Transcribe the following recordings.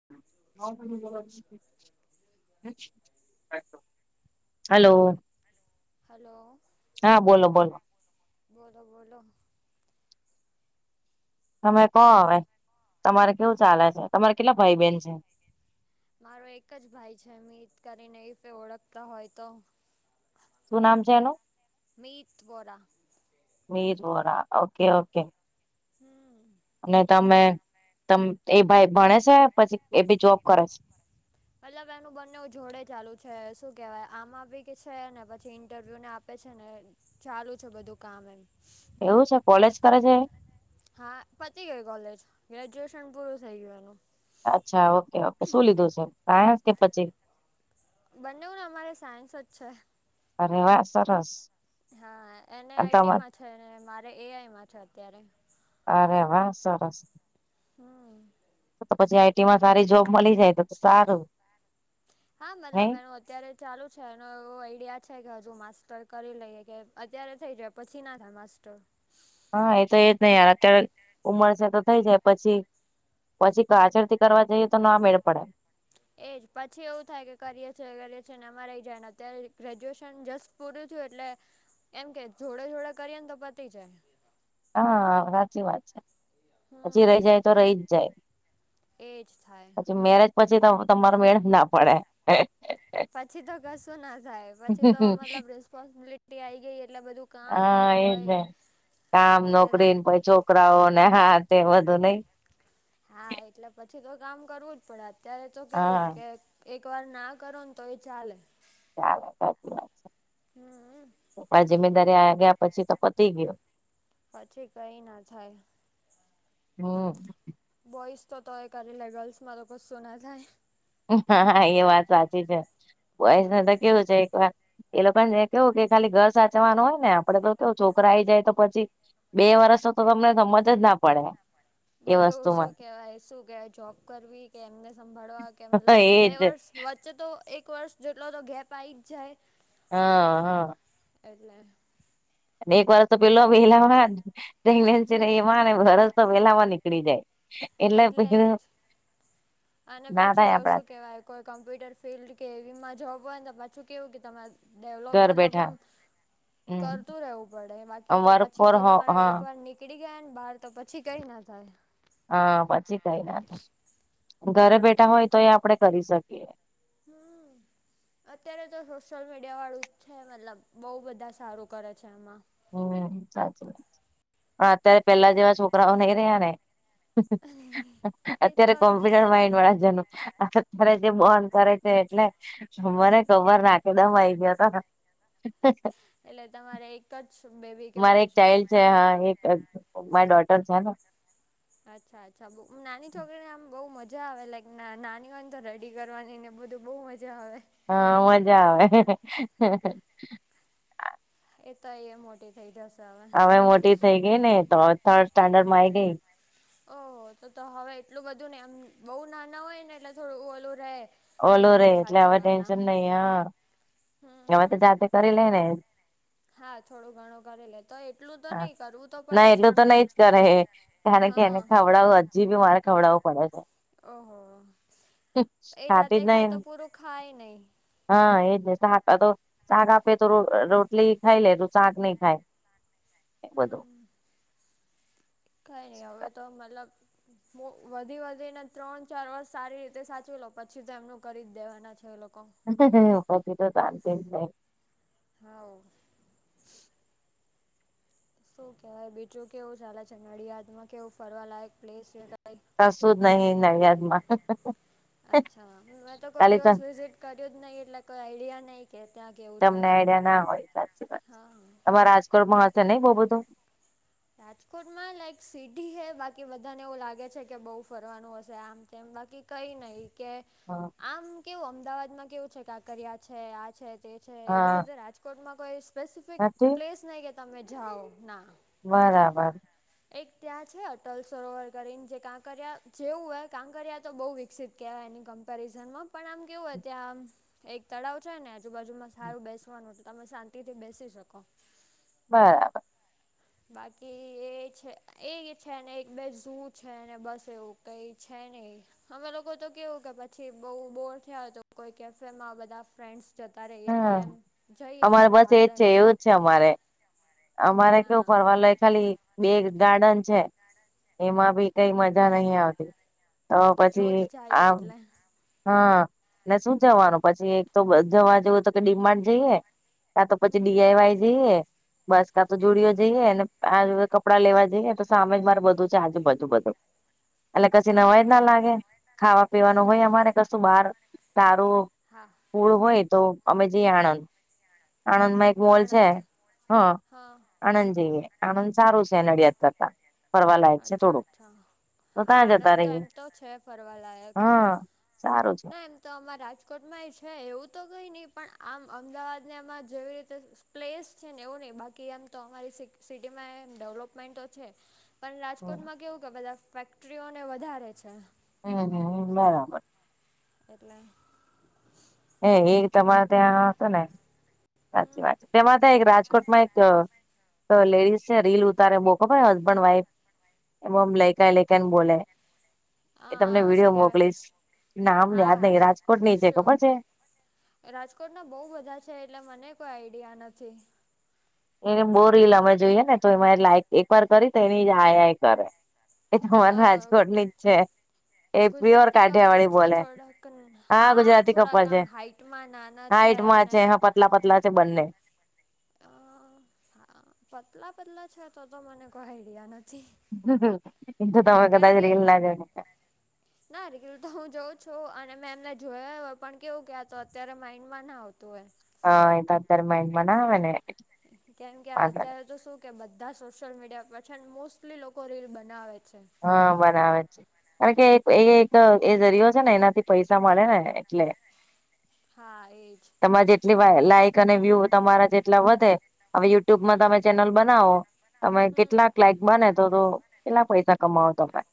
[inaudible] Hello. Hello. હા, બોલો-બોલો. બોલો-બોલો. તમે કહો હવે. તમારે કેવું ચાલે છે? તમારે કેટલા ભાઈ-બહેન છે? મારો એક જ ભાઈ છે, મિત કરીને. ઈફ એ ઓળખતા હોય તો. શું નામ છે એનું? મીત વોરા મીર વોહરા, ઓકે-ઓકે. હમ્મ. અને તમે તમ એ ભાઈ ભણે છે? પછી એ બી જોબ કરે છ? મતલબ એનું બંનેવ જોડે ચાલુ છે. શું કહેવાય? આમાં બી કે છે, ને પછી ઇન્ટરવ્યુ ને એ આપે છે ને ચાલુ છે બધું કામ એનું. એવું છે. કોલેજ કરે છે એ? હા, પતી ગયું કોલેજ. ગ્રેજ્યુએશન પૂરું ગયું એનું. અચ્છા, ઓકે-ઓકે. શું લીધું છે? સાયન્સ કે પછી? બંનેવ ને અમારે સાયન્સ જ છે. અરે વાહ! સરસ. હા. એને આઈ ટી તમા માં છે, ને મારે એ આઈ માં છે અત્યારે. અરે વાહ! સરસ. હમ્મ. તો-તો પછી આઈ ટી માં સારી જોબ મલી જાય તો-તો સારું. હા. નહી મતલબ એનો અત્યારે ચાલુ છે. એનો એવો આઈડિયા છે કે હજુ માસ્ટર કરી લઈએ, કે અત્યારે થઈ જાય. પછી ના થાય માસ્ટર. હા, એ તો એજ ને યાર. અત્યારે ઉમર છે, તો થઈ જાય. પછી પછી પાછળથી કરવા જઈએ તો ના મેળ પડે. એજ. પછી એવું થાય કે કરીએ છીએ ગ્રેજ્યુએશન, ને આમા રહી જાય. ને અત્યારે ગ્રેજ્યુએશન જસ્ટ પૂરું થયું એટલે એમ કે જોડે-જોડે કરીએ ને તો પતી જાય. હા, હાચી વાત છે. પછી હમ રહી જાય તો રહી જ જાય. એજ થાય પછી મેરેજ પછી તો તમારો મેળ જ ના પડે. પછી તો કશું ના થાય. પછી તો મતલબ રિસ્પોન્સિબિલિટી આઈ ગઈ એટલે બધું કામ ને હા એવું એજ હોય ને કામ, એટલે તો નોકરી ને પઈ છોકરાઓ ને હા. તે બધું નહીં? હા, એટલે પછી તો કામ કરવું જ પડે અત્યારે તો કેવું હા કે... એક વાર ના કરો ને તો એ ચાલે. [unintelligible] હમ આ જમીદાર આવ્યા પછી તો પતી ગયું. એ કઈ ના થાય. હમ્મ. બોઈસ તો તોય કરે ગર્લ્સમાં તો કશું ના થાય. હા, હા એ વાત સાચી છે, બોયસને તો કેવું છે એક વાર... એ લોકોને કેવું કે ખાલી ઘર સાચવાના હોય ને આપડે તો છોકરા આઈ જાય તો પછી... બે વરસ તો તમને સમજ જ ના પડે. એ બધું ઓ શું વસ્તુમાં કેવાય શું કે જોબ કરવી કે એમને સંભાળવા... કે મતલબ બે એજ વર્ષ વચ્ચે તો એક વર્ષ જેટલો તો ગેપ આવી જ જાય- - હા હા. એટલે- - એક વાર તો પેલો વહેલામાંગ છે ને એમાં વરસ તો વહેલામાં નીકળી જાય- - એટલે પ કીધૂ અને પાછું એવું શું કેવાય કોઈ કોમ્પ્યુટર ફિલ્ડ કે એવીમાં જોબ હોય ને પાછું કેવું કે તમારે ડેવલોપ ઘર મતલબ બેઠા આમ- - હમ તરતું રહેવું પડે બાકી તો વર્ક પછી ફોર તો હો તમારે હા એકવાર નીક નીકલી ગયા ને બાર તો પછી કઈ ના થાય- - હા પછી કઈ ના થાય ઘરે એટલે બેઠા હોય તોય આપડે કરી શકીએ- - હમ- - અત્યારે તો સોશિયલ મીડિયા વાળું છે મતલબ બઉ બધા સારું કરે છે એમાં- - હમ સાચું. અત્યારે પેલા જેવા છોકરાઓ નહી રહ્યા ને- - એ અત્યારે તો કોમ્પ્યુટર માઇન્ડ વાળા જનો- - અત્યારે જે બોંન કરે છે એટલે મને ખબર નાખે- - એકદમ આઇ ગયા હતા. એટલે તમારે એક જ બેબી કે બોય છે. જે હા એક જ મારી ડોટર છે ને- - અચ્છા અચ્છા બ નાની છોકરીને આમ બહુ મજા આવે લાઈક નાની હોય ને તો રેડી કરવાની ને બધું બહુ મજા- - જો હવે હા મજા આવે- - એ તો એય મોટી થઇ જશે. હવે મોટી થઈ ગઈને એ તો હવે થર્ડ સ્ટાન્ડર્ડ માં આઈ ગઈ- - ઓહો તો તો હવે એટલું બધું ને એમ બહુ નાના હોય ને એટલે થોડું ઓલું રહે. કે ઓલું રે એમને એટલે હવે સાચવવાના ટેન્શન નઈ હ હમ હવે તો હમ જાતે કરી લે ને- - હા થોડું ઘણું કરી લે તોય એટલું તો હા નહી કરવું તો પડે જ પણ- - તારે છેને ખવડાવો હજી બી મારે ખવડાવો- - ઓહો એ ખાતી જાતે જ નહી ખાય ને. તો પૂરું ખાય નહી. હા એ જ ને ચાર આ તો શાક આપે તો રોટલી ખાઈ લે તો શાક નહી ખાય બધું. કંઈ નહી હવે તો મતલબ- - વધી વધીને ત્રણ ચાર વર્ષ સારી રીતે સાચવી લો પછી તો જમનું કરી જ દેવાના છે એ લોકો- - અ કઈ તો- - હા. શું કેહેવાય, બીજું કેવું ચાલે છે, નડિયાદ માં કેવું ફરવા લાયક પ્લેસ- કઈ -કશું જ નહી નડીયાદ માં- અચ્છા, મેં તો કોઈ દિવસ વિઝિટ કર્યું જ નહી એટલે કોઈ આઈડિયા નહી. કે- ત્યાં કેવું છે -તમને આઈડિયા ના હોય, સાચી વાત. હા તમારા રાજકોટમાં હશે? નહી બહુ બધું- રાજકોટમાં લાઈક સિટી છે. બાકી બધાને એવું લાગે છે કે, બહુ ફરવાનું હશે આમ તેમ બાકી- કઈ નહી, કે આમ કેવું, અમદાવાદમાં કેવું છે કાંકરિયા છે આ છે તે- -છે એવી હા રીતે રાજકોટમાં કોઈ સ્પેસિફિક નથી પ્લેસ નહી, કે તમે જાઓ ના- બરાબર. એક ત્યાં છે, અટલ સરોવર કરીને, જે કાંકરિયા જેવું. કાંકરિયા તો બહુ વિકસિત- -કેવાય એની કમ્પેરિઝનમાં પણ કેવુંય ત્યાં આ- એક તળાવ છે ને સારું બેસવાનું છે તમે શાંતિ થી બેસી શકો. - બરાબર. બાકી એ છે છે ને એક બે ઝુ ને બસ એવું કઈ છે ને- -અમે લોકો તો કેવું કે, પછી બઉ બોર થયા તો કોઈ કેફેમાં બધા ફ્રેન્ડ્સ- જતા રહીએ હા કેમ જઈએ કે અમારે બસ એજ ગાર્ડન છે કેમ એવું જ છે અમારે અમારે કેવું હા ફરવલો ખાલી ગાર્ડન છે એમાં બી કઈ મજા નહી આવતી તો રોજ પછી જઈએ આમ. એટલે હા, શું જવાનું પછી એક તો જવા જેવું તો કે ડી માટૅ જઈએ. ક્યાં તો પછી ડીઆઈ વાઈ જઈએ. બસ કા તો જુડીયો જઈએ, અને આ કપડાં લેવા જઈએ, તો સામે જ મારે બધું છે આજે બધું બધું. એટલે કશી નવાઈજ હા ના લાગે, ખાવા પીવાનું હોય અમારે - કશું બાર સારૂ- હા પૂળ હોય તો અમે જઈએ આણંદ, આણંદ માં એક મોલ છે. આણંદ હા આણંદ જઈએ, આણંદ સારું છે નડિયાદ કરતાં. ફરવા લાયક છે અચ્છા થોડુંક, અચ્છા તો હા ત્યાં જતા આણંદ તો રહીએ. એમ તો છે ફરવાલાયક હમ સારું ના એમ તો અમારા રાજકોટમાં છે. એવું તો કઈ નહી, પણ આમ અમદાવાદ ને આમાં જેવી રીતે- -પ્લેસ છે ને એવું નહીં, બાકી એમ તો અમારી સિટીમાં એમ ડેવલપમેન્ટો છે. પણ રાજકોટમાં કેવું કે બધા ફેક્ટરીઓને વધારે છે. હ હ બરાબર. એટલે હ ગીર તમારે ત્યાં હશે ને? સાચી હમ વાત, છે તેમાં તે એક રાજકોટમાં એક- તો લેડીસને રીલ ઉતારે બઉ ખબર હસબન્ડ વાઇફ એમ એ લેકાઈ લેકાઈ ને બોલે. એ તમને આ શું વિડીિયો કહેવાય મોકલીશ. નામ હા યાદ હા નહી રાજકોટની છે, શ્યોર ખબર છે? રાજકોટના બહું બધા છે, એટલે મને કોઈ આઈડિયા નથી. એને બઉ રીલ અમે જોઈએ ને, તો એમાં લાઈક એક વાર કરી તો એની આઈ આઈ કરે. એ તો અમાર અ રાજકોટની જ છે. એ પ્યોર ગુજરાતી કાઠિયા કપલ વાળી છે, બોલે હા ગુજરાતી કપલ થોડાક છે આમ હાઈટ- નાના હા છે. હાઈટમાં ને હા પતલા પતલા છે બંને. અ પતલા પતલા છે તો તો મને કોઈ આઈડિયા નથી. હમ [unintelligible] એ તવા કેમ ગદા [unintelligible] કે જ એલાજ [unintelligible] ના રિલ તો હું જાઉં છું. અને મેં એમને જોયા હોય, પણ કેવું કે તો અત્યારે માઈન્ડ માં ના આવતું હોય. હા એ તરત જ એ માઈન્ડમાં ના આવેને. કેમ કે અત્યારે તો શું કે બધા સોશિયલ મીડિયા પર છે ને મોસ્ટલી લોકો રીલ બનાવે છે. હા બનાવે છે. કારણ કે એ એક એ જરિયો છે ને એનાથી પૈસા મળે ને એટલે. હા એજ. તમારે જેટલી લાઈક અને વ્યુ તમારા જેટલા વધે હવે યુટ્યુબમાં હમ તમે ચેનલ બનાવો તમે હમ. કેટલાક લાઈક બને તો તો કેટલાક પૈસા કમાવતો. [unintelligible]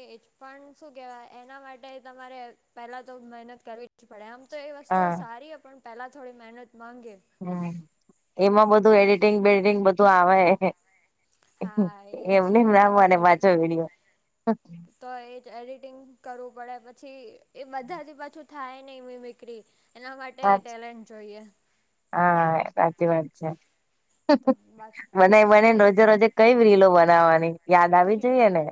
એજ પણ શું કેવાય એના માટે પહેલા તો મહેનત કરવી પડે આમ તો એ વસ્તુ હા સારી પણ પહેલા થોડી મહેનત માંગે હમ એમાં બધું એડિટિંગ બેડિટિંગ બધું આવે. હા એ અમને છે [unintelligible] તમારે પાછો વિડિઓ તો એ જ એડિટિંગ કરવું પડે પછી એ બધાથી પાછું થાય નને એમ મીકરી. એના માટે સાચ ટેલેન્ટ જોઈએ. હા, સાચી વાત છે. તો બાકી [unintelligible] બના બનેને એ રોજે રોજે કઈ રીલો બનાવવાની યાદ આવી જોઈએ ને.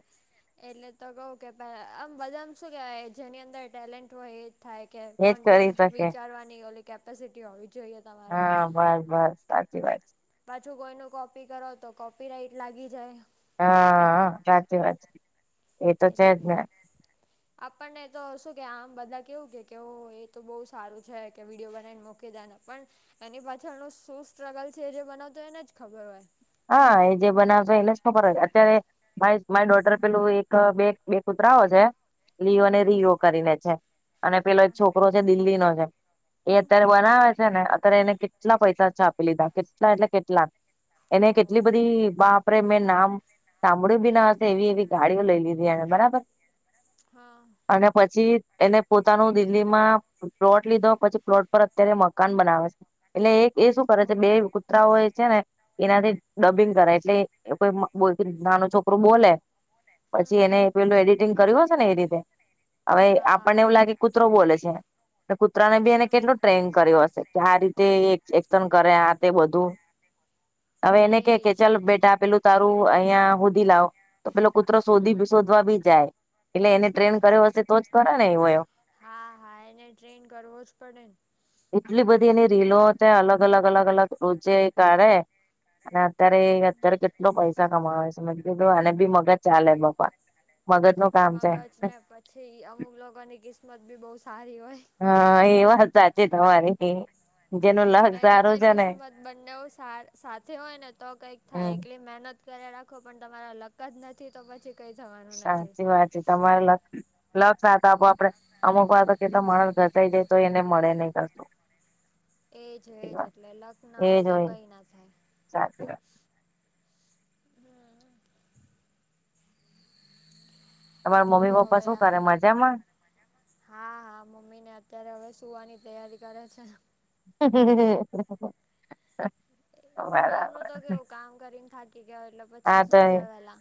એટલે તો કહુ કે [unintelligible] આમ બધામાં શું કેહેવાય. જેની અંદર ટેલેન્ટ હોય એ જ થાય. કે એજ કરી કોન્ટેન્ટ શકે વિચારવાની ઓલી કેપેસિટી હોવી જોઈએ. તમારે હા, બસ બસ સાચી વાત છે. પાછું કોઈનનુંં કોપી કરો તો, કોપી રાઈટ લાગી જાય. હા, સાચી વાત છે. એ તો છે એટલે જ ને આપણને તો શું કે આમ બધા કેવું કે, કે એ તો બહુ સારું છે, કે વિડિયો બનાવીને મોક [unintelligible] કા પણ એની પાછળનું શું સ્ટ્રગલ છે. જે બનાવતો એને જ ખબર હોય. હા, એ જે બનાવે એને જ ખબર હો અત્યારે ભાઈ મારી ડોટર પેલું એક બે બે કૂતરાઓ છે. લિઓને, હા રિઓ કરીને છે અને પેલો એક હા છોકરો છે દિલ્હીનો છે. એ અત્યારે બનાવે છે ને, અત્યારે એને કેટલા પૈસા છાપી લીધા. કેટલા એટલે કેટલા એને ઓહ કેટલી બધી બાપરે મેં નામ સાંભળ્યું બી ના હશે એવી એવી ગાડીઓ લઈ લીધી એને બરાબર. હા અને પછી એને પોતાનું દિલ્હીમાં પ્લોટ લીધો. પછી પ્લોટ પર અત્યારે મકાન બનાવે છે. એટલે એક એ શું કરે છે, બે ઓરું કૂતરાઓ એ છે ને એનાથી હમ ડબિંગ કરાય. એટલે કોઈ નાનું છોકરું બોલે. પછી હમ એને પેલું એડેટીગ કર્યું હશેને એ રીતે હવે, આપણને હા એવું લાગે કૂતરો બોલે છે. કૂતરાને બી એને હમ કેટલો ટ્રેન કર્યો હશે. કે આ રીતે એ એક્શન કરે. આ તે બધું હવે, એને કે, કે એજ ચાલ બેટા પેલું તારું અહિયાં સુધી લાવો. તો પેલો કૂતરો શોધી, હમ શોધવા બી જાય. એટલે એને ટ્રેન કર્યો હશે, તો જ કરે ને એવું એ. હા હા. એને ટ્રેન કરવો જ પડેને. એટલી બધી એની રીલો તે અલગ અલગ અલગ અલગ રોજે કાઢે અને અત્યારે, હમ અત્યારે કેટલો પૈસા કમાવે છે. કીધું આને બી મગજ ચાલે. મગજ નું કામ છે મગજને પછી અમુક લોકોની કિસ્મત બી બહુ સારી હોય. હા, એ વાત હાચી તમારી. જેનો લા મહેનત ને કિસ્મત બંનેવ સા સાથે હોયને, તો કંઈક થાય. હમ એકલી મહેનત કર્યે રાખો પણ તમારા લક જ નથી તો પછી કઈ થવાનું નથી સાાચી વાત છે. તમારે લક લક સાથ આપવું આપણે, અમુક વાર તો કેટલો માણસ ઘસાઈ જાય, તો એને મળે નહીં કશું. એ એજ-એજ. વાત એટલે લક ના એ હોય જ તો કંઈ ના થાય. સાચી વાત. હમ્મ. તમારા મમ્મી બોલો પપ્પા હવે શું કરે? મજામાં? હા, હા. મમ્મીને અત્યારે હવે સુવાની તૈયારી કરે છે. [inaudible] એમનું બરાબર તો કેવું, કામ કરીન થાકી ગયા હોય, એટલે હા પછી તો સુઈ એ, જાય વેલા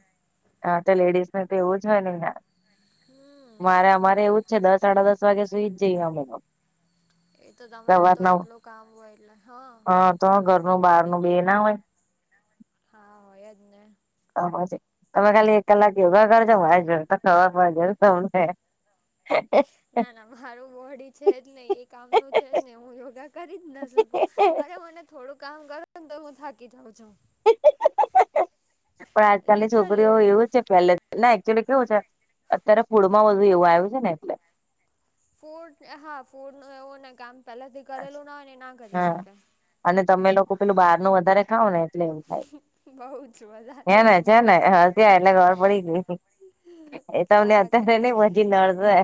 હા તો લેડીઝનું તો એવું જ હોયને યાર. હમ મારે અમારે એવું જ છે. દસ, સાડા દસ વાગે સુઈ જ જઈએ [unintelligible] એ તો તમારે તો સવારના એટલું કામ હોય એટલે. હા. તો ઘરનું, બહારનું બે ના હોય. હા, હોય જ ને. તો પછી. તમે ખાલી એક કલાક યોગા કરજો. [unintelligible] ના, ના મારું બોડી છે જ નહીં. એ કામનું છે જ ને હું યોગા કરી જ ના શકું. અરે મને થોડું કામ કરું ને તોય હું થાકી જાઉં છું. પણ આજકાલની છોકરીઓ એવું લિટરલી જ છે પહેલે જ, ના એકચુલી કેવું છે અત્યારે ફૂડ માં વધુ એવું આયું છે ને એટલે ફૂડ, હા ફૂડ નું એવું, ને કામ પહેલેથી કરેલું ના હોય ને એ ના કરી હા શકે. અને તમે લોકો પહેલું બહાર નું વધારે ખાવ ને એટલે એવું થાય. બહુ જ હે વધારે ને? એટલે છે બહુ ને? જ હસી આઈ એટલે ખબર પડી ગઈ. એ તો તમને અત્યારે પછી નહીં, પછી નડશે.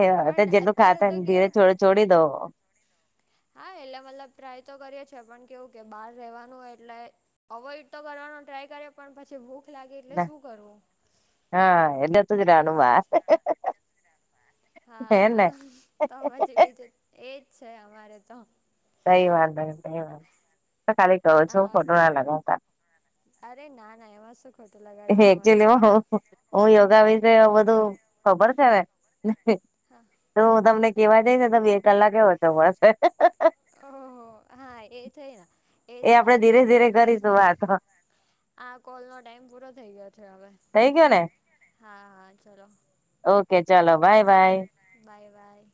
એ તે પણ જેટલું અત્યારે ખાતાન તો ધીરે કેવું છોડ છોડી દો. હા. એટલે મતલબ ટ્રાય તો કરીએે છીએ, પણ કેવું કે બાર રહેવાનું હોય એટલે અવોઈડ તો કરવાનું ટ્રાય કરીએ, પણ પછી ભૂખ લાગે એટલે શું કરવું? હા. એટલે તું જ એ રાનુંમાં જ. હા, હેને હા. તમારે જેવી રીતે એજ છે અમારે તો. કંઈ વાંધો નથી એમ. હુ તો ખાલી કવ છું, હા ખોટુ ના લગાડતા. અરે ના-ના. એમા શું ખોટું લગાડવાનું હોય એક્ચ્યુલી હુ હું યોગા વિશે એવુ બધું ખબર છે ને. જો હું તમને કહેવા જાઈશને તો બે કલાકેય ઓછો પડશે. ઓહો! હા એ થઈ ના. એ આપણે ધીરે-ધીરે કરીશું વાત. આ કોલ નો ટાઈમ પૂરો થઈ ગયો છે હવે. થઈ ગયો ને. હા હા ચલો ઓકે ચાલો બાય-બાય. બાય-બાય.